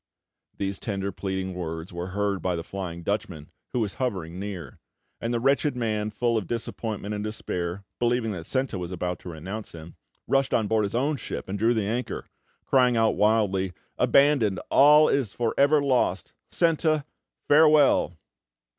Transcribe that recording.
These tender, pleading words were heard by the Flying Dutchman, who was hovering near; and the wretched man, full of disappointment and despair, believing that Senta was about to renounce him, rushed on board his own ship and drew the anchor, crying out wildly: "Abandoned! All is for ever lost! Senta, farewell!"